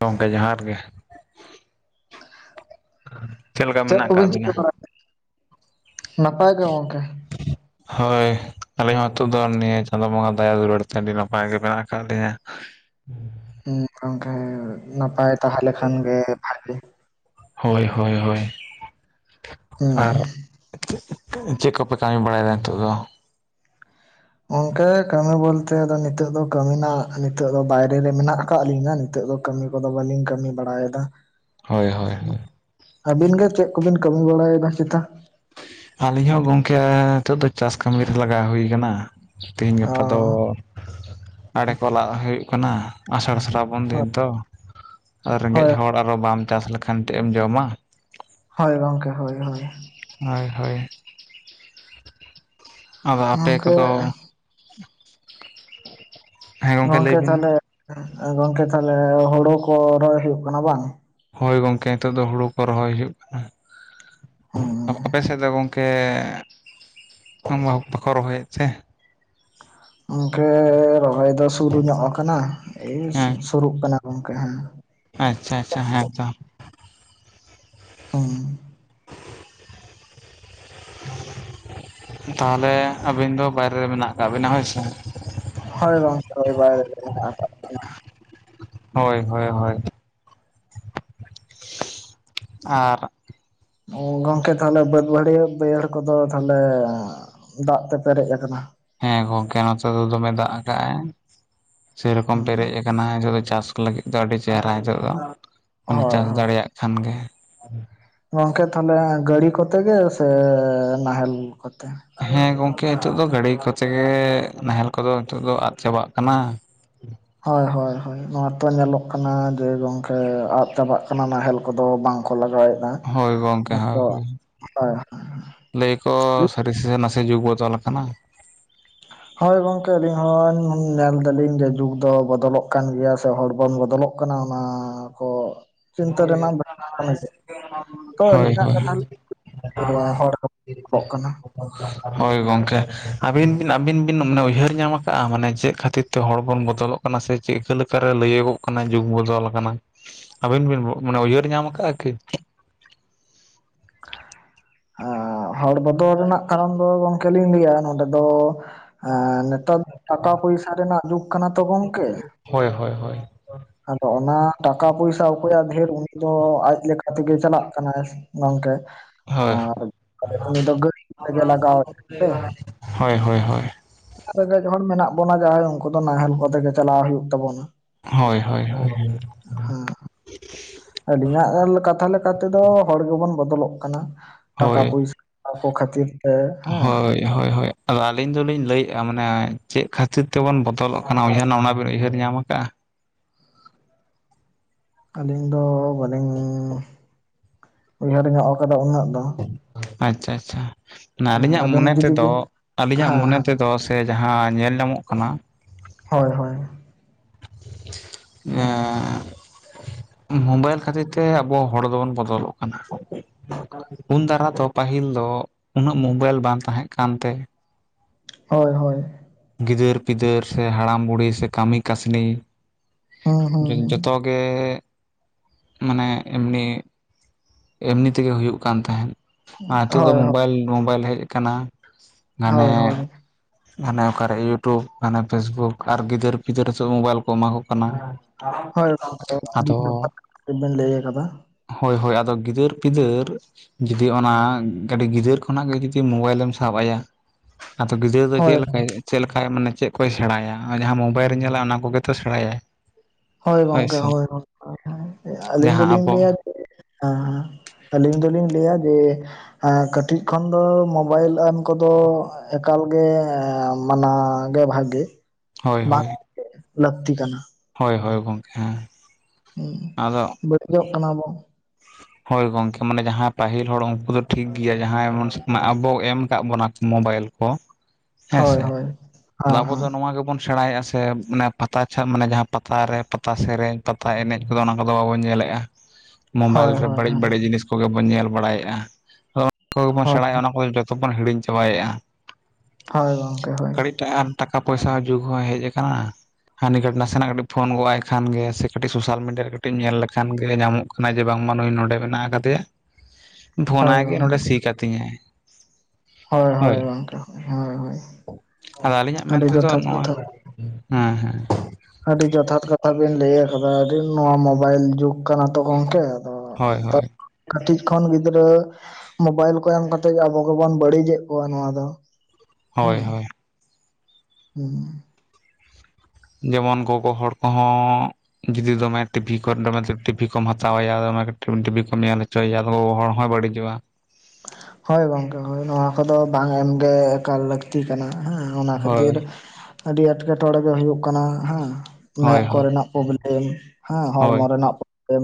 ᱜᱚᱝᱠᱮ ᱡᱚᱦᱟᱨ ᱜᱮ ᱞᱮᱠᱟ ᱪᱮᱫ ᱢᱮᱱᱟᱜ ᱟᱠᱟᱫ ᱠᱚᱵᱤᱱ ᱪᱤᱠᱟᱹ ᱵᱤᱱᱟ? ᱵᱟᱲᱟᱭᱮᱫ ᱱᱟᱯᱟᱭ ᱜᱮ ᱜᱚᱢᱠᱮ ᱦᱳᱭ ᱟᱹᱞᱤᱧ ᱦᱚᱸ ᱱᱤᱛᱚᱜ ᱫᱚ ᱱᱤᱭᱟᱹ ᱪᱟᱸᱫᱚ ᱵᱚᱸᱜᱟ ᱫᱟᱭᱟ ᱫᱩᱞᱟᱹᱲ ᱛᱮ ᱟᱹᱰᱤ ᱱᱟᱯᱟᱭ ᱜᱮ ᱢᱮᱱᱟᱜ ᱟᱠᱟᱫ ᱞᱮᱭᱟ ᱦᱮᱸ ᱜᱚᱝᱠᱮ ᱱᱟᱯᱟᱭ ᱛᱟᱦᱮᱸ ᱞᱮᱠᱷᱟᱱ ᱜᱮ ᱵᱷᱟᱹᱜᱤ ᱦᱳᱭ ᱦᱳᱭ ᱦᱳᱭ ᱦᱩᱸ᱾ ᱟᱨ ᱪᱮᱫ ᱠᱚᱯᱮ ᱠᱟᱹᱢᱤ ᱵᱟᱲᱟᱭᱮᱫ-ᱟ ᱱᱤᱛᱚᱜ ᱫᱚ ᱜᱚᱝᱠᱮ ᱠᱟᱹᱢᱤ ᱵᱚᱞᱛᱮ ᱟᱫᱚ ᱱᱤᱛᱚᱜ ᱫᱚ ᱠᱟᱹᱢᱤ ᱨᱮᱱᱟᱜ ᱱᱤᱛᱚᱜ ᱫᱚ ᱵᱟᱦᱨᱮ ᱨᱮ ᱢᱮᱱᱟᱜ ᱟᱠᱟᱫ ᱞᱤᱧᱟ ᱱᱤᱛᱚᱜ ᱫᱚ ᱠᱟᱹᱢᱤ ᱠᱚᱫᱚ ᱵᱟᱹᱞᱤᱧ ᱠᱟᱹᱢᱤ ᱵᱟᱲᱟᱭᱮᱫᱟ ᱦᱳᱭ ᱦᱳᱭ ᱦᱳᱭ ᱟᱹᱵᱤᱱ ᱜᱮ ᱪᱮᱫ ᱠᱚᱵᱤᱱ ᱠᱟᱹᱢᱤ ᱵᱟᱲᱟᱭᱮᱫᱟ ᱪᱮᱛᱟ ᱟᱹᱞᱤᱧ ᱦᱚᱸ ᱜᱚᱝᱠᱮ ᱱᱤᱛᱚᱜ ᱫᱚ ᱪᱟᱥ ᱠᱟᱹᱢᱤ ᱨᱮ ᱞᱟᱜᱟᱣ ᱦᱩᱭ ᱟᱠᱟᱱᱟ ᱛᱤᱦᱤᱧ ᱚ ᱜᱟᱯᱟ ᱫᱚ ᱟᱲᱮ ᱠᱚ ᱞᱟᱜ ᱦᱩᱭᱩᱜ ᱠᱟᱱᱟ ᱟᱥᱟᱲ ᱥᱨᱟᱯ ᱩᱱ ᱦᱳᱭ ᱫᱤᱱ ᱫᱚ ᱨᱮᱸᱜᱮᱡ ᱦᱳᱭ ᱦᱚᱲ ᱟᱨ ᱦᱚᱸ ᱵᱟᱢ ᱪᱟᱥ ᱞᱮᱠᱷᱟᱱ ᱪᱮᱫ ᱮᱢ ᱡᱚᱢᱟ ᱦᱳᱭ ᱜᱚᱝᱠᱮ ᱦᱳᱭ ᱦᱳᱭ ᱦᱳᱭ ᱦᱳᱭ ᱟᱫᱚ ᱟᱯᱮ ᱜᱚᱝᱠᱮ ᱠᱚᱫᱚ [inaudible] ᱞᱟᱹᱭ ᱜᱚᱝᱠᱮ ᱵᱤᱱ ᱢᱟ ᱛᱟᱦᱚᱞᱮ ᱜᱚᱝᱠᱮ ᱛᱟᱦᱚᱞᱮ ᱦᱳᱲᱳ ᱠᱚ ᱨᱚᱦᱚᱭ ᱦᱩᱭᱩᱜ ᱠᱟᱱᱟ ᱵᱟᱝ ᱦᱳᱭ ᱜᱚᱝᱠᱮ ᱱᱤᱛᱚᱜ ᱫᱚ ᱦᱳᱲᱳ ᱠᱚ ᱨᱚᱦᱚᱭ ᱦᱩᱭᱩᱜ ᱠᱟᱱᱟ ᱦᱩᱸ ᱟᱯᱮ ᱥᱮᱫ ᱫᱚ ᱜᱚᱝᱠᱮ [unintelligible] ᱠᱷᱚᱱ ᱢᱟ ᱵᱟᱠᱚ ᱨᱚᱦᱚᱭᱮᱫᱼᱟ ᱪᱮ ᱜᱚᱢᱠᱮᱻ ᱨᱚᱦᱚᱭ ᱫᱚ ᱥᱩᱨ ᱧᱚᱜ ᱟᱠᱟᱱᱟ ᱦᱮᱸ [unintelligible] ᱥᱩᱨᱩᱜ ᱠᱟᱱᱟ ᱜᱚᱝᱠᱮ ᱦᱮᱸ ᱟᱪᱪᱷᱟ ᱟᱪᱪᱷᱟ ᱦᱮᱸ ᱛᱚ ᱦᱮᱸ ᱛᱟᱦᱚᱞᱮ ᱟᱹᱵᱤᱱ ᱫᱚ ᱵᱟᱦᱨᱮ ᱨᱮ ᱢᱮᱱᱟᱜ ᱟᱠᱟᱜ ᱵᱤᱱᱟ ᱦᱳᱭᱥᱮ ᱦᱳᱭ ᱜᱚᱝᱠᱮ ᱦᱳᱭ ᱵᱟᱦᱨᱮ ᱨᱮ ᱢᱮᱱᱟᱜ ᱟᱠᱟᱜ ᱞᱤᱧᱟ ᱦᱳᱭ ᱦᱳᱭ ᱦᱳᱭ ᱟᱨᱻ ᱜᱚᱝᱠᱮ ᱛᱟᱦᱞᱮ ᱵᱟᱹᱫᱽ ᱵᱟᱹᱲᱤᱭᱟᱹ ᱵᱟᱹᱭᱦᱟᱹᱲ ᱠᱚᱫᱚ ᱛᱟᱦᱞᱮ ᱫᱟᱜ ᱛᱮ ᱯᱮᱨᱮᱡ ᱟᱠᱟᱱᱟ। ᱦᱮᱸ ᱜᱚᱝᱠᱮ ᱱᱚᱛᱮ ᱫᱚ ᱫᱚᱢᱮ ᱫᱟᱜ ᱟᱠᱟᱜ ᱟᱭ᱾ ᱥᱮ ᱨᱚᱠᱚᱢ ᱦᱩᱸ ᱯᱮᱨᱮᱡ ᱟᱠᱟᱱᱟ ᱱᱤᱛᱚᱜ ᱫᱚ ᱪᱟᱥ ᱼᱼ ᱞᱟᱹᱜᱤᱫ ᱫᱚ ᱟᱹᱰᱤ ᱪᱮᱦᱨᱟ ᱦᱤᱡᱩᱜᱼᱟ ᱚᱱᱮ ᱦᱳᱭ ᱪᱟᱥ ᱦᱳᱭ ᱫᱟᱲᱮᱭᱟᱜ ᱠᱷᱟᱱ ᱜᱮ᱾ ᱜᱚᱝᱠᱮ ᱛᱟᱦᱚᱞᱮ ᱜᱟᱹᱲᱤ ᱠᱚᱛᱮ ᱜᱮ ᱥᱮᱻ ᱱᱟᱦᱮᱞ ᱠᱚᱛᱮ ᱦᱮᱸ ᱜᱚᱝᱠᱮ ᱱᱤᱛᱚᱜ ᱫᱚ ᱜᱟᱹᱰᱤ ᱠᱚᱛᱮ ᱜᱮᱻ ᱱᱟᱦᱮᱞ ᱠᱚᱫᱚ ᱱᱤᱛᱚᱜ ᱫᱚ ᱟᱫ ᱪᱟᱵᱟᱜ ᱠᱟᱱᱟ। ᱦᱳᱭ ᱦᱳᱭ ᱦᱳᱭ ᱱᱚᱣᱟ ᱛᱚ ᱧᱮᱞᱚᱜ ᱠᱟᱱᱟ ᱡᱮ ᱜᱚᱝᱠᱮ ᱟᱫ ᱪᱟᱵᱟᱜ ᱠᱟᱱᱟ ᱱᱟᱦᱮᱞ ᱠᱚᱫᱚ ᱵᱟᱝ ᱠᱚ ᱞᱟᱜᱟᱣᱮᱫ। ᱦᱳᱭ [unintelligible] ᱜᱚᱝᱠᱮ ᱦᱳᱭ ᱱᱤᱛᱚᱜ ᱦᱳᱭ ᱦᱳᱭ ᱞᱟᱹᱭ ᱟᱠᱚ ᱥᱟᱹᱨᱤ ᱥᱮ ᱱᱟᱥᱮ ᱡᱩᱜᱽ ᱵᱚᱫᱚᱞ ᱟᱠᱟᱱᱟ। ᱦᱳᱭ ᱜᱚᱝᱠᱮ ᱟᱹᱞᱤᱧ ᱦᱚᱸ ᱧᱮᱞ ᱮᱫᱟ ᱞᱤᱧ ᱡᱮ ᱡᱩᱜᱽ ᱫᱚ ᱵᱚᱫᱚᱞᱚᱜ ᱠᱟᱱ ᱜᱮᱭᱟ ᱥᱮ ᱦᱚᱲᱵᱚᱱ ᱵᱚᱫᱚᱞᱚᱜ [unintelligible] ᱚᱱᱟᱻ ᱠᱚ᱾ ᱪᱤᱱᱛᱟᱹ ᱨᱮᱱᱟᱜ ᱠᱟᱱ ᱜᱮᱭᱟ ᱛᱚ [unintelligible] ᱦᱳᱭ ᱟᱹᱞᱤᱧᱟᱜ ᱦᱳᱭ ᱚᱱᱟ ᱠᱟᱛᱷᱟ ᱥᱮ ᱦᱚᱲ ᱠᱷᱟᱹᱛᱤᱨ ᱛᱮ ᱠᱚᱜ ᱠᱟᱱᱟ ᱦᱳᱭ ᱜᱚᱝᱠᱮ ᱟᱹᱵᱤᱱ ᱵᱤᱱ ᱟᱹᱵᱤᱱ ᱵᱤᱱ [unintelligible] ᱩᱭᱦᱟᱹᱨ ᱧᱟᱢᱟ ᱟᱠᱟᱜᱼᱟ ᱢᱟᱱᱮ ᱪᱮᱫ ᱠᱷᱟᱹᱛᱤᱨ ᱛᱮ ᱦᱚᱲ ᱵᱚᱱ ᱵᱚᱫᱚᱞᱚᱜ ᱠᱟᱱᱟ ᱥᱮ ᱪᱮᱫ ᱞᱮᱠᱟ ᱨᱮ ᱞᱟᱹᱭᱚᱜᱚᱜ ᱠᱟᱱᱟ ᱡᱩᱜᱽ ᱵᱚᱫᱚᱞ ᱟᱠᱟᱱᱟ? ᱟᱹᱵᱤᱱ ᱵᱤᱱ [unintelligible] ᱢᱟᱱᱮ ᱩᱭᱦᱟᱹᱨ ᱧᱟᱢ ᱟᱠᱟᱫᱼᱟ ᱠᱤ? ᱟᱻᱦᱚᱲ ᱵᱚᱫᱚᱞ ᱨᱮᱱᱟᱜ ᱠᱟᱨᱚᱱ ᱫᱚ ᱜᱚᱝᱠᱮ ᱞᱤᱧ ᱞᱟᱹᱭᱟ ᱱᱚᱸᱰᱮ ᱫᱚ ᱼᱼ ᱦᱮᱸ ᱱᱮᱛᱟᱨ ᱴᱟᱠᱟ ᱯᱚᱭᱥᱟ ᱨᱮᱱᱟᱜ ᱡᱩᱜᱽ ᱠᱟᱱᱟ ᱛᱚ ᱜᱚᱝᱠᱮ। ᱦᱳᱭ ᱦᱳᱭ ᱦᱳᱭ ᱟᱫᱚ ᱚᱱᱟ ᱴᱟᱠᱟ ᱯᱚᱭᱥᱟ ᱚᱠᱚᱭᱟᱜ ᱰᱷᱮᱨ ᱩᱱᱤ ᱫᱚ ᱟᱡ ᱞᱮᱠᱟ ᱛᱮᱜᱮ ᱪᱟᱞᱟᱜ ᱠᱟᱱᱟᱭ ᱥᱮ। ᱜᱚᱝᱠᱮ ᱦᱳᱭ, ᱟᱨ ᱩᱱᱤ ᱫᱚ ᱜᱟᱹᱰᱤ ᱛᱮᱜᱮ ᱞᱟᱜᱟᱣ [unintelligible] ᱞᱟᱹᱭ ᱵᱟᱲᱟᱭᱮᱫᱼᱟ ᱦᱳᱭ ᱦᱳᱭ ᱦᱳᱭ ᱟᱨ ᱨᱮᱸᱜᱮᱡ ᱦᱚᱲ ᱢᱮᱱᱟᱜ ᱵᱚᱱᱟ ᱡᱟᱦᱟᱸᱭ ᱩᱱᱠᱩ ᱫᱚ ᱱᱟᱦᱮᱞ ᱠᱚᱛᱮᱜᱮ ᱪᱟᱞᱟᱣ ᱦᱩᱭᱩᱜ ᱛᱟᱵᱚᱱᱟ। ᱦᱳᱭᱻᱦᱳᱭᱻᱦᱳᱭ ᱾ ᱦᱮᱸ [inaudible] ᱟᱹᱞᱤᱧᱟᱜ ᱠᱟᱛᱷᱟ ᱞᱮᱠᱟ ᱛᱮᱫᱚ ᱦᱚᱲ ᱜᱮᱵᱚᱱ ᱵᱚᱫᱚᱞᱚᱜ ᱠᱟᱱᱟ ᱴᱟᱠᱟ ᱦᱳᱭ ᱯᱚᱭᱥᱟ ᱼᱼ ᱟᱠᱚ ᱠᱷᱟᱹᱛᱤᱨ ᱛᱮ ᱦᱮᱸ᱾ ᱦᱳᱭ ᱦᱳᱭ ᱦᱳᱭ ᱟᱫᱚ ᱟᱹᱞᱤᱧ ᱫᱚᱞᱤᱧ ᱞᱟᱹᱭᱮᱫᱼᱟ, ᱢᱟᱱᱮ ᱪᱮᱫ ᱠᱷᱟᱹᱛᱤᱨ ᱛᱮᱵᱚᱱ ᱵᱚᱫᱚᱞᱚᱜ ᱠᱟᱱᱟ ᱩᱭᱦᱟᱹᱨ [inaudible] ᱵᱤᱱ ᱩᱭᱦᱟᱹᱨ ᱧᱟᱢ ᱠᱟᱜᱼᱟ? ᱟᱹᱞᱤᱧ ᱫᱚ ᱵᱟᱹᱞᱤᱧ ᱩᱭᱦᱟᱹᱨ ᱧᱚᱜ ᱠᱟᱫᱟ ᱩᱱᱟᱹᱜ ᱫᱚ। ᱟᱪᱪᱷᱟ ᱟᱪᱪᱷᱟ ᱦᱮᱸ ᱟᱹᱞᱤᱧᱟᱜ ᱟᱵᱮᱱ ᱢᱚᱱᱮ ᱡᱩᱫᱤ ᱛᱮᱫᱚ ᱵᱤᱱ ᱟᱹᱞᱤᱧᱟᱜ ᱦᱮᱸ ᱢᱚᱱᱮ ᱦᱮᱸ ᱛᱮᱫᱚ ᱼᱼ ᱥᱮ ᱡᱟᱦᱟᱸ ᱧᱮᱞ ᱧᱟᱢᱚᱜ ᱠᱟᱱᱟ᱾ ᱦᱳᱭᱻᱦᱳᱭ ᱾ ᱮᱸᱻ, ᱢᱳᱵᱟᱭᱤᱞ ᱠᱷᱟᱹᱛᱤᱨ ᱛᱮ ᱟᱵᱚ ᱦᱚᱲ ᱫᱚᱵᱚᱱ ᱵᱚᱫᱚᱞᱚᱜ ᱠᱟᱱᱟ। ᱩᱱ ᱫᱟᱨᱟ ᱫᱚ ᱯᱟᱹᱦᱤᱞ ᱫᱚ ᱩᱱᱟᱹᱜ ᱢᱳᱵᱟᱭᱤᱞ ᱵᱟᱝ ᱛᱟᱦᱮᱸᱜ ᱠᱟᱱ ᱛᱮ᱾ ᱦᱳᱭᱻᱦᱳᱭ ᱾ ᱜᱤᱫᱽᱟᱹᱨ ᱯᱤᱫᱽᱟᱹᱨ ᱥᱮ ᱦᱟᱲᱟᱢ ᱵᱩᱲᱦᱤ ᱥᱮ ᱠᱟᱹᱢᱤ ᱠᱟᱹᱥᱱᱤ ᱦᱮᱸᱻᱦᱮᱸ᱾ ᱡᱚᱛᱚᱜᱮ ᱢᱟᱱᱮ ᱮᱢᱱᱤ ᱼᱼ ᱮᱢᱱᱤ ᱛᱮᱜᱮ ᱦᱩᱭᱩᱜ ᱠᱟᱱ ᱛᱟᱦᱮᱸᱱ, ᱟᱨ ᱱᱤᱛᱚᱜ ᱫᱚ ᱦᱳᱭ ᱢᱳᱵᱟᱭᱤᱞ ᱢᱳᱵᱟᱭᱤᱞ ᱦᱮᱡ ᱠᱟᱱᱟ। ᱦᱳᱭᱻᱦᱳᱭ ᱾ ᱢᱟᱱᱮ ᱚᱠᱟᱨᱮ ᱤᱭᱩᱴᱩᱵᱽ ᱢᱟᱱᱮ ᱯᱷᱮᱥᱵᱩᱠ ᱟᱨ ᱜᱤᱫᱟᱹᱨ ᱯᱤᱫᱟᱹᱨ ᱠᱚ, ᱢᱳᱵᱟᱭᱤᱞ ᱠᱚ ᱮᱢᱟ ᱠᱚ ᱠᱟᱱᱟ। ᱦᱳᱭ ᱜᱚᱝᱠᱮ ᱟᱹᱰᱤ ᱟᱫᱚᱻ ᱡᱚᱛᱷᱟᱛ ᱠᱟᱛᱷᱟ ᱵᱮᱱ ᱞᱟᱹᱭ ᱟᱠᱟᱫᱟ ᱦᱳᱭᱻᱦᱳᱭ, ᱟᱫᱚ ᱜᱤᱫᱽᱟᱹᱨ ᱯᱤᱫᱟᱽᱹᱨ ᱡᱩᱫᱤ ᱚᱱᱟ ᱠᱟᱹᱴᱤᱡ ᱜᱤᱫᱽᱟᱹᱨ ᱠᱷᱚᱱᱟᱜ ᱜᱮ ᱡᱩᱫᱤ ᱢᱳᱵᱟᱭᱤᱞᱮᱢ ᱥᱟᱵ ᱟᱭᱟ ᱟᱫᱚ ᱜᱤᱫᱽᱟᱹᱨ ᱼᱼ ᱪᱮᱫ ᱦᱳᱭ ᱞᱮᱠᱟᱭ ᱪᱮᱫ ᱞᱮᱠᱟᱭ ᱢᱟᱱᱮ ᱪᱮᱫ ᱠᱚᱭ ᱥᱮᱬᱟᱭᱟ, ᱚᱱᱟ ᱡᱟᱦᱟᱸ ᱢᱳᱵᱟᱭᱤᱞ ᱨᱮ ᱧᱮᱞᱟ ᱚᱱᱟ ᱠᱚᱜᱮ ᱛᱚ ᱥᱮᱬᱟᱭᱟᱭ। ᱦᱳᱭ ᱜᱚᱝᱠᱮ ᱦᱳᱭ ᱦᱳᱭ ᱟᱹᱞᱤᱧ ᱡᱟᱦᱟᱸ ᱫᱚᱞᱤᱧ ᱟᱵᱚ ᱞᱟᱹᱭᱟ ᱡᱮ ᱦᱮᱸ ᱼᱼ ᱟᱹᱞᱤᱧ ᱫᱚᱞᱤᱧ ᱞᱟᱹᱭᱟ ᱡᱮ ᱮᱸ ᱠᱟᱹᱴᱤᱡ ᱠᱷᱚᱱ ᱫᱚ ᱢᱳᱵᱟᱭᱤᱞ ᱮᱢ ᱠᱚᱫᱚ ᱼᱼ ᱮᱠᱟᱞ ᱜᱮ ᱢᱟᱱᱟ ᱜᱮ ᱵᱷᱟᱜᱮ। ᱦᱳᱭᱻᱦᱳᱭ ᱵᱟᱝ ᱾ ᱞᱟᱹᱠᱛᱤ ᱠᱟᱱᱟ ᱾ ᱦᱳᱭᱻ ᱦᱳᱭ, ᱜᱚᱢᱠᱮ ᱦᱮᱸ ᱟᱫᱚ ᱼᱼ ᱠᱷᱚᱡᱚᱜ ᱠᱟᱱᱟ ᱵᱚ᱾ ᱦᱳᱭ ᱜᱚᱢᱠᱮ ᱢᱟᱱᱮ ᱡᱟᱦᱟᱸ ᱯᱟᱹᱦᱤᱞ ᱦᱚᱲ ᱩᱱᱠᱩ ᱫᱚ ᱴᱷᱤᱠ ᱜᱮᱭᱟ ᱡᱟᱦᱟᱸᱭ ᱮᱢᱚᱱ ᱟᱵᱚ ᱮᱢ ᱠᱟᱜ ᱵᱚᱱᱟ ᱢᱳᱵᱟᱭᱤᱞ ᱠᱚ᱾ ᱦᱮᱸ ᱥᱮ ᱦᱳᱭᱻᱦᱳᱭ᱾ ᱟᱵᱚ ᱫᱚ ᱱᱚᱣᱟ ᱜᱮᱵᱚᱱ ᱼᱼ ᱥᱮᱬᱟᱭᱮᱼᱟ ᱥᱮ ᱢᱟᱱᱮ ᱯᱟᱛᱟ ᱪᱷᱟ ᱢᱟᱱᱮ ᱡᱟᱦᱟᱸ ᱯᱟᱛᱟᱨᱮ ᱯᱟᱛᱟ ᱥᱮᱨᱮᱧ ᱯᱟᱛᱟ ᱮᱱᱮᱡ ᱠᱚᱫᱚ ᱚᱱᱟ ᱠᱚᱫᱚ ᱵᱟᱵᱚᱱ ᱧᱮᱞᱮᱜᱼᱟ। ᱦ [inaudible] ᱢᱳᱵᱟᱭᱤᱞ ᱨᱮ ᱵᱟᱹᱲᱤᱡ ᱵᱟᱹᱲᱤᱡ ᱡᱤᱱᱤᱥ ᱠᱚᱜᱮ ᱵᱚᱱ ᱧᱮᱞ ᱵᱟᱲᱟᱭᱮᱜᱼᱟ, ᱟᱫᱚ ᱚᱱᱟ ᱠᱚᱜᱮ ᱵᱚᱱ ᱦᱳᱭ ᱥᱮᱬᱟᱭᱮᱜᱼᱟ ᱚᱱᱟ ᱠᱚᱜᱮ ᱼᱼ ᱡᱚᱛᱚ ᱵᱚᱱ ᱦᱤᱲᱤᱧ ᱪᱟᱵᱟᱭᱮᱜᱼᱟ। ᱦᱳᱭ ᱜᱚᱝᱠᱮ ᱦᱳᱭ ᱾ ᱠᱟᱹᱴᱤᱡᱟ ᱴᱟᱜ ᱴᱟᱠᱟ ᱯᱚᱭᱥᱟ ᱦᱚᱸ ᱡᱩᱜᱽ ᱦᱚᱸ ᱦᱮᱡ ᱠᱟᱱᱟ। ᱦᱟᱹᱱᱤ ᱜᱴ [unintelligible] ᱱᱟᱥᱮᱱᱟᱜ ᱠᱟᱹᱴᱤᱡ ᱯᱷᱳᱱ ᱜᱚᱜᱼ ᱟᱭ ᱠᱷᱟᱱ ᱜᱮ ᱥᱮ ᱠᱟᱹᱴᱤᱡ ᱥᱳᱥᱟᱞ ᱢᱤᱰᱤᱭᱟ ᱨᱮ ᱠᱟᱹᱴᱤᱡ ᱧᱮᱞ ᱞᱮᱠᱷᱟᱱ ᱜᱮ ᱧᱟᱢᱚᱜ ᱼᱼ ᱠᱟᱱᱟ [inaudible] ᱠᱟᱱᱟᱭ ᱡᱮ ᱵᱟᱝᱢᱟ ᱱᱩᱭ ᱱᱚᱰᱮ ᱢᱮᱱᱟᱜ ᱠᱟᱫᱮᱭᱟ᱾ ᱦᱮᱸ [inaudible] ᱯᱷᱳᱱᱟᱭ ᱜᱮ ᱱᱚᱸᱰᱮ ᱥᱤ ᱠᱟᱹᱛᱤᱧᱟᱭ। ᱦᱳᱭᱻᱦᱳᱭ, ᱦᱳᱭ ᱜᱚᱝᱠᱮ ᱦᱳᱭᱻᱦᱳᱭ ᱾ ᱟᱫᱚ ᱟᱹᱞᱤᱧᱟᱜ ᱢᱮᱱᱛᱮᱫᱚ ᱱᱚᱣᱟ᱾ ᱦᱮᱸ ᱦᱮᱸ ᱟᱹᱰᱤ ᱡᱚᱛᱷᱟᱛ ᱠᱟᱛᱷᱟ ᱵᱤᱱ ᱞᱟᱹᱭ ᱟᱠᱟᱫᱟ ᱟᱹᱰᱤ ᱱᱚᱣᱟ ᱢᱚᱵᱟᱭᱤᱞ ᱡᱩᱜ ᱠᱟᱱᱟ ᱛᱚ ᱜᱚᱝᱠᱮ। ᱦᱳᱭ ᱱᱤᱛᱚᱜ ᱦᱳᱭ ᱠᱟᱹᱴᱤᱡ ᱠᱷᱚᱱ ᱜᱤᱫᱽᱨᱟᱹ᱾ ᱢᱳᱵᱟᱭᱤᱞ ᱠᱚ ᱮᱢ ᱠᱟᱛᱮ ᱜᱮ ᱟᱵᱚ ᱜᱮᱵᱚᱱ ᱵᱟᱹᱲᱤᱡᱮᱫ ᱠᱚᱣᱟ ᱱᱚᱣᱟ ᱫᱚ। ᱦᱳᱭ ᱦᱩᱸ ᱦᱳᱭ ᱦᱩᱸ ᱻ ᱡᱮᱢᱚᱱ ᱜᱚᱜᱚ ᱦᱚᱲ ᱠᱚᱦᱚᱸᱻ ᱼᱼ ᱡᱩᱫᱤ ᱫᱚᱢᱮ ᱴᱤᱵᱷᱤ ᱠᱚ ᱢᱟᱛᱞᱚᱵ ᱴᱤᱵᱷᱤ ᱠᱚᱢ ᱦᱟᱛᱟᱣᱟᱭᱟ ᱚᱱᱟ ᱠᱟᱹᱴᱤᱜ ᱴᱤᱵᱷᱤ ᱠᱚᱢ ᱧᱮᱞ ᱼᱼ ᱪᱚᱭ ᱟᱦᱚᱸ ᱦᱚᱲ ᱦᱚᱸᱭ ᱵᱟᱹᱲᱤᱡᱚᱜᱼᱟ। ᱦᱳᱭ ᱜᱚᱝᱠᱮ ᱦᱳᱭ ᱱᱚᱣᱟ ᱠᱚᱫᱚ ᱵᱟᱝ ᱮᱢᱜᱮ ᱮᱠᱟᱞ ᱼᱼ ᱞᱟᱹᱠᱛᱤ ᱠᱟᱱᱟ ᱦᱮᱸ ᱚᱱᱟ ᱠᱷᱟᱹᱛᱤᱨ ᱦᱳᱭ ᱟᱹᱰᱤ ᱮᱸᱴᱠᱮᱴᱚᱬᱮ ᱜᱮ ᱦᱩᱭᱩᱜ ᱠᱟᱱᱟ ᱦᱮᱸ। ᱢᱮᱫ ᱦᱳᱭ ᱦᱳᱭ ᱠᱚᱨᱮᱱᱟᱜ ᱯᱨᱚᱵᱞᱮᱢ ᱦᱮᱸ ᱦᱳᱭ ᱦᱚᱲᱢᱚ ᱨᱮᱱᱟᱜ ᱯᱨᱚᱵᱞᱮᱢ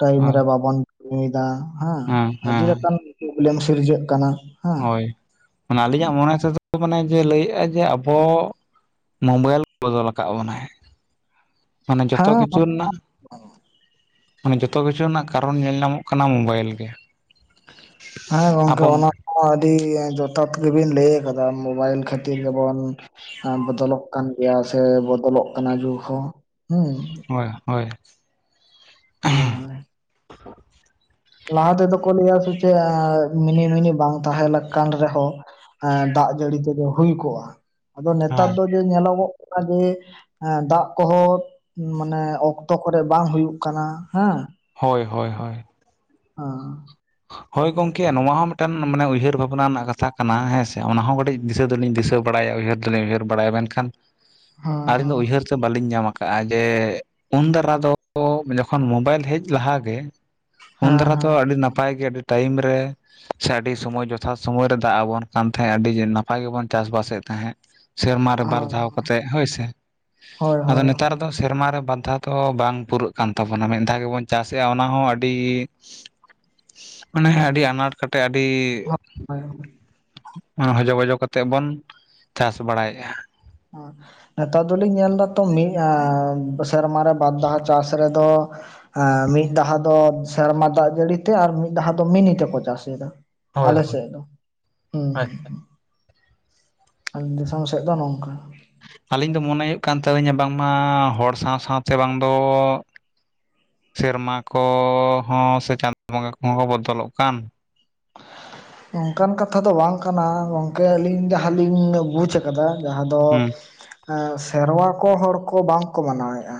ᱴᱟᱭᱤᱢ ᱦᱳᱭ ᱨᱮ ᱵᱟᱵᱚᱱ। ᱧᱩᱭᱫᱟ ᱦᱮᱸ ᱟᱹᱰᱤ ᱨᱚᱠᱚᱢ ᱯᱨᱚᱵᱞᱮᱢ ᱥᱤᱨᱡᱟᱹᱜ ᱠᱟᱱᱟ। ᱦᱮᱸ ᱦᱳᱭ ᱢᱟᱱᱮ ᱟᱹᱞᱤᱧᱟᱜ ᱢᱚᱱᱮ ᱢᱟᱱᱮ [inaudible] ᱡᱮ ᱞᱟᱹᱭ ᱮᱫᱼᱟ ᱡᱮ ᱟᱵᱚ ᱢᱳᱵᱟᱭᱤᱞ ᱵᱚᱫᱚᱞ ᱟᱠᱟᱫ ᱵᱚᱱᱟᱭ। ᱢᱟᱱᱮ ᱡᱚᱛᱚ ᱠᱤᱪᱷᱩ ᱦᱮᱸ ᱨᱮᱱᱟᱜ ᱼᱼ ᱢᱟᱱᱮ ᱡᱚᱛᱚ ᱠᱤᱪᱷᱩ ᱨᱮᱱᱟᱜ ᱠᱟᱨᱚᱱ ᱧᱮᱞ ᱧᱟᱢᱚᱜ ᱠᱟᱱᱟ ᱢᱳᱵᱟᱭᱤᱞ ᱜᱮ। ᱦᱮᱸ ᱜᱚᱝᱠᱮ ᱟᱵᱚ ᱚᱱᱟ ᱼᱼ [inaudible] ᱟᱹᱰᱤ ᱡᱚᱛᱷᱟᱛ ᱜᱮᱵᱤᱱ ᱞᱟᱹᱭ ᱟᱠᱟᱫᱟ ᱢᱳᱵᱟᱭᱤᱞ ᱠᱷᱟᱹᱛᱤᱨ ᱜᱮᱵᱚᱱ ᱼᱼ ᱮᱸ ᱵᱚᱫᱚᱞᱚᱜ ᱠᱟᱱ ᱜᱮᱭᱟ ᱥᱮ ᱵᱚᱫᱚᱞᱚᱜ ᱠᱟᱱᱟ ᱡᱩᱜᱽ ᱦᱚᱸ ᱦᱮᱸ। ᱦᱳᱭ ᱦᱳᱭ ᱦᱳᱭ ᱦᱳᱭ ᱞᱟᱦᱟ ᱛᱮᱫᱚ ᱠᱚ ᱞᱟᱹᱭᱟ ᱥᱮ ᱪᱮᱫ ᱢᱤᱱᱤᱢᱤᱱᱤ ᱵᱟᱝ ᱛᱟᱦᱮᱸ ᱞᱮᱠᱟᱱ ᱨᱮᱦᱚᱸ ᱼᱼ ᱮᱸ ᱫᱟᱜ ᱡᱟᱹᱲᱤ ᱛᱮᱜᱮ ᱦᱩᱭ ᱠᱚᱜᱼᱟ᱾ ᱟᱫᱚ ᱱᱮᱛᱟᱨ ᱦᱮᱸ ᱫᱚ ᱡᱮ ᱧᱮᱞᱚᱜᱚᱜ ᱠᱟᱱᱟ ᱡᱮ ᱼᱼ ᱮᱸ ᱫᱟᱜ ᱠᱚᱦᱚᱸ ᱢᱟᱱᱮ ᱚᱠᱛᱚ ᱠᱚᱨᱮ ᱵᱟᱝ ᱦᱩᱭᱩᱜ ᱠᱟᱱᱟ ᱦᱮᱸ᱾ ᱦᱳᱭ ᱦᱳᱭ ᱦᱳᱭ ᱟᱨ [inaudible] ᱦᱳᱭ ᱜᱚᱝᱠᱮ ᱱᱚᱣᱟ ᱦᱚᱸ ᱢᱤᱫᱴᱮᱱ ᱢᱟᱱᱮ ᱩᱭᱦᱟᱹᱨ ᱵᱷᱟᱵᱽᱱᱟ ᱨᱮᱱᱟᱜ ᱠᱟᱛᱷᱟ ᱠᱟᱱᱟ᱾ ᱦᱮᱸᱥᱮ ᱚᱱᱟ ᱦᱚᱸ ᱠᱟᱹᱴᱤᱡ ᱼᱼ ᱫᱤᱥᱟᱹ ᱫᱩᱞᱤᱧ ᱫᱤᱥᱟᱹ ᱵᱟᱲᱟᱭᱟ ᱩᱭᱦᱟᱹᱨ ᱫᱩᱞᱤᱧ ᱩᱭᱦᱟᱹᱨ ᱵᱟᱲᱟᱭᱟ। ᱢᱮᱱᱠᱷᱟᱱ ᱦᱮᱸ ᱟᱹᱞᱤᱧ ᱫᱚ ᱩᱭᱦᱟᱹᱨ ᱼᱼ [inaudible] ᱵᱟᱹᱞᱤᱧ ᱧᱟᱢ ᱟᱠᱟᱟᱜᱼᱟ ᱡᱮ ᱼᱼ ᱩᱱ ᱫᱷᱟᱨᱟ ᱫᱚ ᱡᱚᱠᱷᱚᱱ ᱢᱚᱵᱟᱭᱤᱞ ᱦᱮᱡ ᱞᱟᱦᱟᱜᱮ ᱩᱱ ᱦᱮᱸ ᱦᱮᱸ ᱫᱷᱟᱨᱟ ᱫᱚ ᱦᱮᱸ ᱟᱹᱰᱤ ᱱᱟᱯᱟᱭ ᱼᱼ [inaudible] ᱜᱮ ᱟᱹᱰᱤ ᱴᱟᱭᱤᱢ ᱨᱮ ᱼᱼ ᱥᱮ ᱟᱹᱰᱤ ᱥᱚᱢᱚᱭ ᱡᱚᱛᱷᱟᱛ ᱥᱚᱢᱚᱭ ᱨᱮ ᱫᱟᱜ ᱟᱵᱚᱱ ᱠᱟᱱ ᱛᱟᱦᱮᱸᱜ ᱟᱹᱰᱤ ᱱᱟᱯᱟᱭ ᱜᱮᱵᱚᱱ ᱪᱟᱥ ᱵᱟᱥᱮᱫ ᱛᱟᱦᱮᱸᱫ᱾ ᱥᱮᱨᱢᱟ ᱨᱮ ᱵᱟᱨ ᱫᱷᱟᱣ ᱦᱳᱭ ᱠᱟᱛᱮᱜ ᱦᱳᱭ ᱥᱮ᱾ ᱟᱫᱚ ᱦᱳᱭ ᱱᱮᱛᱟᱨ ᱦᱳᱭ ᱫᱚ ᱥᱮᱨᱢᱟ ᱨᱮ ᱵᱟᱨ ᱫᱷᱟᱣ ᱫᱚ ᱵᱟᱝ ᱯᱩᱨᱟᱹᱜ ᱠᱟᱱ ᱛᱟᱵᱚᱱᱟ ᱢᱤᱫ ᱫᱷᱟᱣ ᱜᱮᱵᱚᱱ ᱪᱟᱥᱮᱫᱼᱟ ᱚᱱᱟ ᱦᱚᱸ ᱟᱹᱰᱤ ᱢᱟᱱᱮ ᱟᱹᱰᱤ ᱟᱱᱟᱴ ᱠᱟᱴᱮ ᱦᱳᱭ ᱦᱳᱭ ᱦᱳᱭ᱾ ᱟᱹᱰᱤᱻᱤᱻᱤ ᱦᱚᱡᱚ ᱵᱚᱡᱚ ᱠᱟᱛᱮ ᱵᱚᱱ ᱪᱟᱥ ᱵᱟᱲᱟᱭᱮᱫᱼᱟ᱾ ᱱᱮᱛᱟᱨ ᱫᱚᱞᱤᱧ ᱧᱮᱞ ᱮᱫᱟ ᱛᱚ ᱢᱤᱫ ᱮ ᱥᱮᱨᱢᱟ ᱨᱮ ᱵᱟᱨ ᱫᱷᱟᱣ ᱪᱟᱥ ᱨᱮ [unintelligible] ᱛᱚ ᱮᱸ ᱢᱤᱫ ᱫᱷᱟᱣ ᱫᱚ ᱥᱮᱨᱢᱟ ᱫᱟᱜ ᱡᱟᱹᱲᱤ ᱛᱮ ᱟᱨ ᱢᱤᱫ ᱫᱷᱟᱣ ᱫᱚ ᱢᱤᱱᱤ ᱛᱮᱠᱚ ᱪᱟᱥ ᱮᱫᱟ᱾ ᱦᱳᱭ ᱟᱞᱮ ᱦᱳᱭ ᱥᱮᱫ ᱫᱚ [inaudible] ᱟᱪᱪᱷᱟ ᱫᱤᱥᱚᱢ ᱥᱮᱫ ᱫᱚ ᱱᱚᱝᱠᱟ ᱟᱹᱞᱤᱧ ᱫᱚ ᱢᱚᱱᱮ ᱦᱩᱭᱩᱜ ᱠᱟᱱ ᱛᱟᱹᱞᱤᱧᱟ ᱵᱟᱝᱢᱟ ᱦᱚᱲ ᱥᱟᱶ ᱥᱟᱶᱛᱮ ᱵᱟᱝ ᱫᱚ᱾ ᱥᱮᱨᱢᱟ ᱠᱚᱸᱻᱦᱚᱸ ᱥᱮ ᱪᱟᱸᱫᱳ ᱵᱚᱸᱜᱟ ᱠᱚᱦᱚᱸ ᱠᱚ ᱵᱚᱫᱚᱞᱚᱜ ᱠᱟᱱ᱾ ᱚᱝᱠᱟᱱ ᱠᱟᱛᱷᱟ ᱫᱚ ᱵᱟᱝ ᱠᱟᱱᱟ ᱜᱚᱝᱠᱮ ᱟᱹᱞᱤᱧ ᱡᱟᱦᱟᱸᱞᱤᱧ ᱵᱩᱡᱽ [unintelligible] ᱡᱟᱦᱟᱸ ᱫᱚ ᱦᱩᱸ ᱥᱮᱨᱣᱟ ᱠᱚ ᱦᱚᱲ ᱠᱚ ᱵᱟᱝ ᱠᱚ ᱢᱟᱱᱟᱣᱮᱫᱼᱟ᱾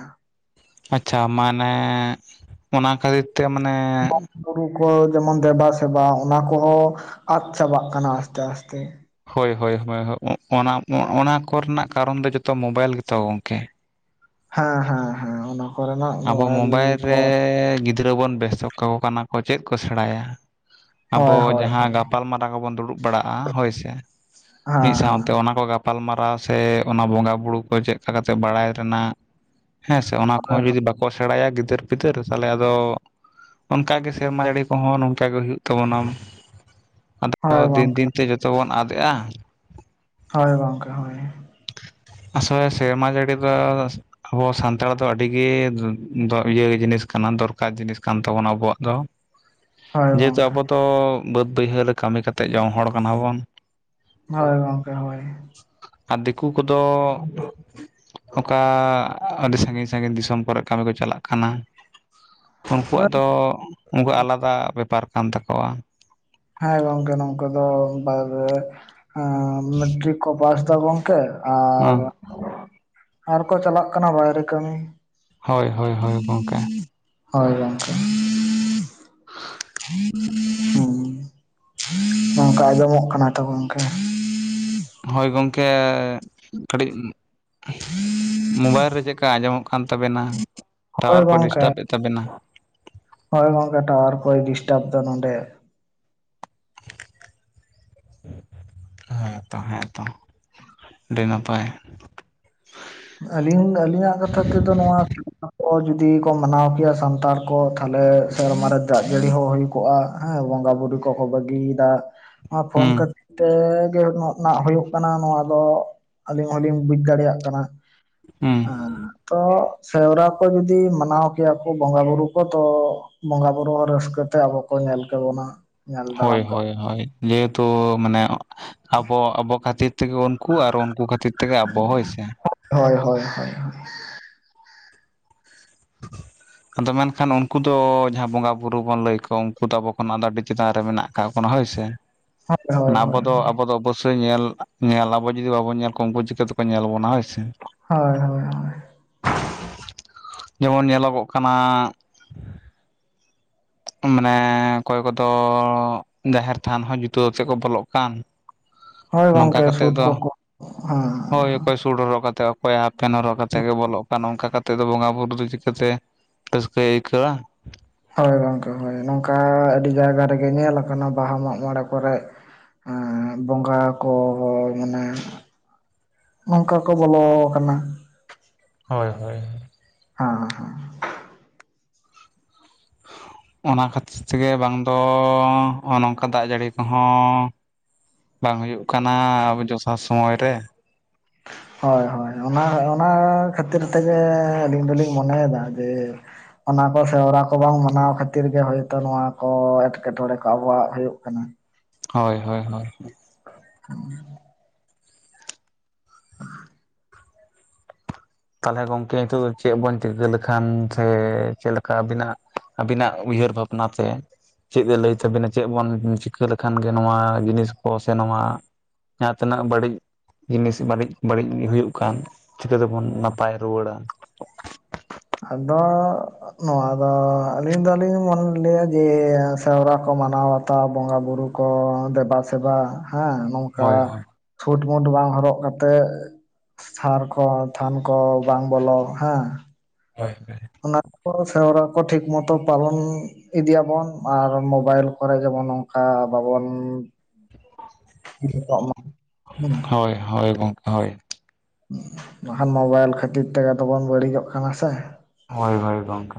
ᱟᱪᱪᱷᱟ ᱢᱟᱱᱮ ᱚᱱᱟ ᱠᱷᱟᱹᱛᱤᱨ ᱛᱮ ᱢᱟᱱᱮ ᱵᱩᱨᱩ ᱠᱚ ᱡᱮᱢᱚᱱ ᱫᱮᱵᱟᱼᱥᱮᱵᱟ ᱚᱱᱟ ᱠᱚᱦᱚᱸ ᱟᱫ ᱪᱟᱵᱟᱜ ᱠᱟᱱᱟ ᱟᱥᱛᱮ ᱟᱥᱛᱮ᱾ ᱦᱳᱭ ᱦᱳᱭ ᱦᱳᱭ ᱦᱳᱭ ᱚᱱᱟ ᱚᱱᱟ ᱠᱚ ᱨᱮᱱᱟᱜ ᱠᱟᱨᱚᱱ ᱫᱚ ᱡᱚᱛᱚ ᱢᱳᱵᱟᱭᱤᱞ ᱜᱮᱛᱚ ᱜᱚᱢᱠᱮ᱾ ᱦᱮᱸ ᱻᱦᱮᱸᱻ ᱦᱮᱸᱻ ᱚᱱᱟ ᱠᱚᱨᱮᱱᱟᱜ ᱟᱵᱚ ᱢᱳᱵᱟᱭᱤᱞ ᱠᱚ ᱨᱮ ᱜᱤᱫᱽᱨᱟᱹ ᱵᱚᱱ ᱵᱮᱥᱛᱚᱜ ᱠᱟᱠᱚ ᱠᱟᱱᱟ᱾ᱪᱮᱫ ᱠᱚ ᱥᱮᱬᱟᱭᱟ? ᱟᱵᱚ ᱦᱳᱭ ᱦᱳᱭ ᱡᱟᱦᱟᱸ ᱦᱳᱭ ᱜᱟᱯᱟᱞ ᱢᱟᱨᱟᱣ ᱠᱚᱵᱚᱱ ᱫᱩᱲᱩᱵ ᱵᱟᱲᱟᱜᱼᱟ ᱦᱳᱭ ᱥᱮ ᱢᱤᱫ ᱦᱮᱸ ᱦᱮᱸ ᱥᱟᱶᱛᱮ ᱚᱱᱟ ᱠᱚ [unintelligible] ᱜᱟᱯᱟᱞ ᱢᱟᱨᱟᱣ ᱥᱮ ᱚᱱᱟ ᱵᱚᱸᱜᱟ ᱵᱩᱲᱩ ᱠᱚ ᱪᱮᱫ ᱞᱮᱠᱟᱛᱮ ᱵᱟᱲᱟᱭ ᱨᱮᱱᱟᱜ ᱦᱮᱸ ᱥᱮ ᱚᱱᱟ ᱦᱳᱭ ᱠᱚᱦᱚᱸ ᱡᱩᱫᱤ ᱵᱟᱠᱚ ᱥᱮᱬᱟᱭᱟ ᱜᱤᱫᱟᱹᱨ ᱯᱤᱫᱟᱹᱨ ᱛᱟᱦᱚᱞᱮ ᱟᱫᱚ ᱚᱱᱠᱟ ᱜᱮ ᱥᱮᱨᱢᱟ ᱟᱹᱲᱤ ᱠᱚᱦᱚᱸ ᱱᱚᱝᱠᱟ ᱜᱮ ᱦᱩᱭᱩᱜ ᱛᱟᱵᱚᱱᱟ᱾ ᱟᱫᱚ ᱦᱳᱭ ᱫᱤᱱ ᱜᱚᱝᱠᱮ ᱫᱤᱱ ᱛᱮ ᱡᱚᱛᱚ ᱵᱚᱱ ᱟᱫᱮᱜᱼᱟ᱾ ᱦᱳᱭ ᱜᱚᱝᱠᱮ ᱦᱳᱭ᱾ ᱟᱥᱚᱜ ᱟᱭ ᱥᱮᱨᱢᱟ ᱡᱟᱹᱲᱤ ᱫᱚ ᱟᱵᱚ ᱥᱟᱱᱛᱟᱲ ᱫᱚ ᱟᱹᱰᱤᱜᱮ [inaudible] ᱤᱭᱟᱹᱮ ᱡᱤᱱᱤᱥ ᱠᱟᱱᱟ ᱫᱚᱨᱠᱟᱨ ᱡᱤᱱᱤᱥ ᱠᱟᱱ ᱛᱟᱵᱚᱱᱟ ᱟᱵᱚᱣᱟᱜ ᱫᱚ᱾ [unintelligible] ᱡᱮᱦᱮᱛᱩ ᱜᱚᱝᱠᱮ ᱟᱵᱚ ᱫᱚ ᱵᱟᱹᱫᱽ ᱵᱟᱹᱭᱦᱟᱹᱲ ᱨᱮ ᱠᱟᱹᱢᱤ ᱠᱟᱛᱮᱫ ᱡᱚᱢ ᱦᱚᱲ ᱠᱟᱱᱟ ᱵᱚᱱ᱾ ᱦᱚᱭ ᱜᱚᱢᱠᱮ ᱦᱚᱭ᱾ ᱟᱨ ᱫᱤᱠᱩ ᱠᱚᱫᱚ ᱚᱠᱟ ᱟᱹᱰᱤ ᱥᱟᱺᱜᱤᱧ ᱥᱟᱺᱜᱤᱧ ᱫᱤᱥᱚᱢ ᱠᱚᱨᱮᱜ ᱠᱟᱹᱢᱤ ᱠᱚ ᱪᱟᱞᱟᱜ ᱠᱟᱱᱟ᱾ ᱩᱱᱠᱩᱣᱟᱜ ᱦᱳᱭ ᱫᱚᱻᱚᱻᱚ ᱩᱱᱠᱩᱣᱟᱜ ᱟᱞᱟᱫᱟ ᱵᱮᱯᱟᱨ ᱠᱟᱱ ᱛᱟᱠᱚᱣᱟ᱾ ᱦᱮᱸ ᱜᱚᱝᱠᱮ ᱱᱚᱝᱠᱟ ᱫᱚ [inaudible] ᱢᱮᱴᱨᱤᱠ ᱠᱚ ᱯᱟᱥ [inaudible] [unintelligible] ᱟᱨ ᱟᱨ ᱠᱚ ᱪᱟᱞᱟᱜ ᱠᱟᱱᱟ ᱵᱟᱭᱨᱮ ᱠᱟᱹᱢᱤ᱾ ᱦᱳᱭ ᱦᱳᱭ ᱦᱳᱭ ᱜᱚᱝᱠᱮ᱾ ᱦᱳᱭ ᱜᱚᱝᱠᱮ᱾ [unintelligible] ᱚᱝᱠᱟ ᱟᱸᱡᱚᱢᱚᱜ ᱠᱟᱱᱟ ᱛᱚ ᱜᱚᱝᱠᱮ [unintelligible] ᱦᱳᱭ ᱜᱚᱝᱠᱮ ᱠᱟᱹᱴᱤᱡ [unintelligible] ᱢᱳᱵᱟᱭᱤᱞ ᱨᱮ ᱪᱮᱫᱠᱟ ᱟᱸᱡᱚᱢᱚᱜ ᱠᱟᱱ ᱛᱟᱵᱮᱱᱟ ᱦᱳᱭ ᱴᱟᱣᱟᱨ ᱠᱚ ᱜᱚᱝᱠᱮ ᱰᱤᱥᱴᱟᱵᱮᱫ ᱛᱟᱵᱮᱱᱟ᱾ ᱦᱳᱭ ᱜᱚᱝᱠᱮ ᱴᱟᱣᱟᱨ ᱠᱚᱭ ᱰᱤᱥᱴᱟᱵ ᱮᱫᱟ ᱱᱚᱰᱮ᱾ ᱦᱮᱸᱛᱚ ᱦᱮᱸᱛᱚ ᱟᱹᱰᱤ ᱱᱟᱯᱟᱭ᱾ ᱟᱹᱞᱤᱧ ᱟᱹᱞᱤᱧᱟᱜ ᱠᱟᱛᱷᱟ ᱛᱮᱫᱚ ᱱᱚᱣᱟ [inaudible] ᱡᱩᱫᱤ ᱠᱚ ᱢᱟᱱᱟᱣ ᱠᱮᱭᱟ ᱥᱟᱱᱛᱟᱲ᱾ ᱠᱚ ᱛᱟᱦᱚᱞᱮ ᱥᱮᱨᱢᱟ ᱨᱮ ᱫᱟᱜ ᱡᱟᱹᱲᱤ ᱦᱚᱸ ᱦᱩᱭ ᱠᱚᱜᱼᱟ ᱦᱮᱸ ᱵᱚᱸᱜᱟ ᱵᱩᱨᱩ ᱠᱚᱠᱚ ᱵᱟᱹᱜᱤᱭᱮᱫᱟ᱾ [unintelligible] ᱯᱷᱳᱱ ᱦᱩᱸ [unintelligible] ᱛᱮᱻᱜᱮ ᱱᱚᱜ ᱱᱷᱟᱜ ᱦᱩᱭᱩᱜ ᱠᱟᱱᱟ ᱱᱚᱣᱟ ᱫᱚ ᱟᱹᱞᱤᱧ ᱦᱚᱞᱤᱧ ᱵᱩᱡᱽ ᱫᱟᱲᱮᱭᱟᱜ ᱠᱟᱱᱟ᱾ [unintelligible] ᱛᱚ ᱥᱮᱣᱨᱟ ᱠᱚ ᱡᱩᱫᱤ ᱢᱟᱱᱟᱣ ᱠᱮᱭᱟ ᱠᱚ ᱵᱚᱸᱜᱟ ᱵᱩᱨᱩ ᱠᱚ ᱛᱚ ᱵᱚᱸᱜᱟ ᱵᱩᱨᱩ ᱨᱟᱹᱥᱠᱟᱹ ᱛᱮ ᱟᱵᱚ ᱠᱚ ᱧᱮᱞ ᱠᱮᱵᱚᱱᱟ ᱧᱮᱞ ᱦᱚᱭ ᱫᱟᱨᱟᱢ ᱦᱚᱭ ᱠᱮᱵᱚᱱᱟ ᱦᱚᱭ ᱡᱮᱦᱮᱛᱩ ᱢᱟᱱᱮ ᱟᱵᱚ ᱟᱵᱚ ᱠᱷᱟᱹᱛᱤᱨ ᱛᱮᱜᱮ ᱩᱱᱠᱩ ᱟᱨ ᱩᱱᱠᱩ ᱠᱷᱟᱹᱛᱤᱨ ᱛᱮᱜᱮ ᱟᱵᱚ ᱦᱚᱭ ᱥᱮ ᱦᱚᱭ ᱦᱚᱭ ᱦᱚᱭ [unintelligible] ᱟᱫᱚ ᱢᱮᱱᱠᱷᱟᱱ ᱩᱱᱠᱩ ᱫᱚ ᱡᱟᱦᱟᱸᱭ ᱵᱚᱸᱜᱟ ᱵᱩᱨᱩ ᱵᱚᱱ ᱞᱟᱹᱭ ᱠᱚ ᱩᱱᱠᱩ ᱫᱚ ᱟᱵᱚ ᱠᱷᱚᱱ ᱟᱹᱰᱤ ᱪᱮᱛᱟᱱ ᱨᱮ ᱢᱮᱱᱟᱜ ᱦᱚᱭ ᱥᱮ ᱦᱳᱭ ᱦᱳᱭ ᱟᱵᱚ ᱦᱳᱭ ᱫᱚ ᱟᱵᱚ ᱫᱚ ᱧᱮᱞ ᱧᱮᱞ ᱟᱵᱚ ᱡᱩᱫᱤ ᱵᱟᱵᱚᱱ ᱧᱮᱞ ᱠᱚᱣᱟ ᱩᱱᱠᱩ ᱪᱤᱠᱟᱹ ᱛᱮᱠᱚ ᱧᱮᱞ ᱵᱚᱱᱟ ᱦᱚᱭ ᱥᱮ ᱦᱚᱭ ᱦᱚᱭ ᱡᱮᱢᱚᱱ ᱧᱮᱞᱚᱜᱚᱜ ᱠᱟᱱᱟ ᱢᱟᱱᱮ ᱚᱠᱚᱭ ᱠᱚᱫᱚ ᱡᱟᱦᱮᱨ ᱛᱷᱟᱱ ᱦᱚᱸ ᱡᱩᱛᱟᱹ ᱠᱟᱛᱮᱫ ᱠᱚ ᱵᱚᱞᱚᱜ ᱠᱟᱱ ᱦᱚᱭ ᱱᱚᱝᱠᱟ ᱜᱚᱝᱠᱮ ᱥᱩᱫ ᱠᱚ ᱠᱚ ᱦᱮᱸ ᱠᱚᱭ ᱥᱩᱴ ᱦᱚᱨᱠᱟᱛ ᱠᱚᱭ ᱦᱟᱯᱷ ᱯᱮᱱ ᱦᱚᱨᱠᱷᱛᱮᱫ ᱜᱮ ᱵᱚᱞᱚ ᱟᱨ ᱱᱚᱝᱠᱟ ᱠᱟᱛᱮᱫ ᱫᱚ ᱵᱚᱸᱜᱟ ᱵᱩᱨᱩ ᱫᱚ ᱪᱤᱠᱟᱹᱛᱮ ᱨᱟᱹᱥᱠᱟᱹᱭ ᱟᱹᱭᱠᱟᱹᱣᱟ ᱦᱚᱭ ᱜᱚᱝᱠᱮ ᱦᱚᱭ ᱱᱚᱝᱠᱟ ᱟᱹᱰᱤ ᱡᱟᱭᱜᱟ ᱨᱮᱜᱮ ᱧᱮᱞ ᱠᱟᱱᱟ ᱵᱟᱦᱟ ᱢᱟᱜ ᱢᱚᱬᱮ ᱠᱚᱨᱮ ᱦᱮᱸ ᱵᱚᱸᱜᱟ ᱠᱚ ᱢᱟᱱᱮ ᱱᱚᱝᱠᱟ ᱠᱚ ᱵᱚᱞᱚ ᱠᱟᱱᱟ ᱦᱚᱭ ᱦᱚᱭ ᱦᱟᱸ ᱦᱟᱸ [unintelligible] ᱚᱱᱟ ᱠᱷᱟᱹᱛᱤᱨ ᱛᱮᱜᱮ ᱵᱟᱝ ᱫᱚ ᱚᱱᱚᱝᱠᱟ ᱫᱟᱜ ᱡᱟᱹᱲᱤ ᱠᱚ ᱦᱚᱸ ᱵᱟᱝ ᱦᱩᱭᱩᱜ ᱠᱟᱱᱟ ᱟᱵᱚ ᱡᱚᱥᱟ ᱥᱚᱢᱚᱭ ᱨᱮ ᱦᱚᱭ ᱦᱚᱭ ᱚᱱᱟ ᱚᱱᱟ ᱠᱷᱟᱹᱛᱤᱨ ᱛᱮᱜᱮ ᱟᱹᱞᱤᱧ ᱫᱚᱞᱤᱧ ᱢᱚᱱᱮᱭᱮᱫᱟ ᱡᱮ ᱚᱱᱟ ᱠᱚ ᱥᱮᱣᱨᱟ ᱠᱚ ᱵᱟᱝ ᱢᱟᱱᱟᱣ ᱠᱷᱟᱹᱛᱤᱨ ᱜᱮ ᱦᱚᱭ ᱛᱚ ᱱᱚᱣᱟ ᱠᱚ ᱮᱸᱴᱠᱮᱴᱚᱬᱮ ᱠᱚ ᱟᱵᱚᱣᱟᱜ ᱦᱩᱭᱩᱜ ᱠᱟᱱᱟ᱾ ᱦᱚᱭ ᱦᱚᱭ ᱦᱚᱭ [inaudible] ᱛᱟᱦᱚᱞᱮ ᱜᱚᱝᱠᱮ ᱱᱤᱛᱚᱜ ᱫᱚ ᱪᱮᱫ ᱵᱚᱱ ᱪᱤᱠᱟᱹ ᱞᱮᱠᱷᱟᱱ ᱥᱮ ᱪᱮᱫ ᱞᱮᱠᱟ ᱟᱵᱤᱱᱟᱜ ᱟᱹᱵᱤᱱᱟᱜ ᱩᱭᱦᱟᱹᱨ ᱵᱷᱟᱵᱽᱱᱟ ᱛᱮ ᱪᱮᱫ ᱮ ᱞᱟᱹᱭ ᱛᱟᱵᱤᱱᱟ ᱪᱮᱫ ᱵᱚᱱ ᱪᱤᱠᱟᱹ ᱞᱮᱠᱷᱟᱱ ᱜᱮ ᱱᱚᱣᱟ ᱡᱤᱱᱤᱥ ᱠᱚ ᱥᱮ ᱱᱚᱣᱟ ᱡᱟᱦᱟᱸ ᱛᱤᱱᱟᱹᱜ ᱵᱟᱹᱲᱤᱡ ᱡᱤᱱᱤᱥ ᱵᱟᱹᱲᱤᱡ ᱵᱟᱹᱲᱤᱡ ᱦᱩᱭᱩᱜ ᱠᱷᱟᱱ ᱪᱤᱠᱟᱹ ᱛᱮᱵᱚᱱ ᱱᱟ ᱱᱟᱯᱟᱭ ᱨᱩᱣᱟᱹᱲᱟ ᱟᱫᱚ ᱱᱚᱣᱟ ᱫᱚ ᱟᱹᱞᱤᱧ ᱫᱚᱞᱤᱧ ᱞᱮᱭᱟ ᱡᱮ ᱥᱮᱣᱨᱟ ᱠᱚ ᱢᱟᱱᱟᱣ ᱵᱟᱛᱟᱣ ᱵᱚᱸᱜᱟ ᱵᱩᱨᱩ ᱠᱚ ᱫᱮᱵᱟ ᱥᱮᱵᱟ ᱦᱮᱸ ᱱᱚᱝᱠᱟ ᱦᱳᱭ ᱪᱷᱩᱴᱢᱩᱴ ᱵᱟᱝ ᱦᱚᱨᱚᱜ ᱠᱟᱛᱮᱜ ᱥᱟᱨ ᱠᱚ ᱛᱷᱟᱱ ᱠᱚ ᱵᱟᱝ ᱵᱚᱞᱚᱜ ᱦᱟᱸ ᱦᱚᱭ ᱚᱱᱟ ᱠᱚ ᱥᱮᱨᱣᱟ ᱠᱚ ᱴᱷᱤᱠ ᱢᱚᱛᱚ ᱯᱟᱞᱚᱱ ᱤᱫᱤᱭᱟ ᱵᱚᱱ ᱟᱨ ᱢᱚᱵᱟᱭᱤᱞ ᱠᱚᱨᱮ ᱡᱮᱢᱚᱱ ᱚᱱᱠᱟ ᱵᱟᱵᱚᱱ ᱤᱭᱟᱹ ᱠᱚᱜ ᱢᱟ, ᱦᱩᱸ ᱦᱚᱭ ᱦᱚᱭ ᱦᱚᱭ ᱜᱚᱝᱠᱮ ᱦᱚᱭ ᱵᱟᱠᱷᱟᱱ ᱢᱚᱵᱟᱭᱤᱞ ᱠᱷᱟᱹᱛᱤᱨ ᱛᱮᱜᱮ ᱛᱚᱵᱚᱱ ᱵᱟᱹᱲᱤᱡᱚᱜ ᱠᱟᱱᱟ ᱥᱮ ᱦᱚᱭ ᱦᱚᱭ ᱜᱚᱝᱠᱮ